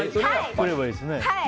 来ればいいですね。